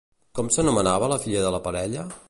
Com s'anomenava la filla de la parella?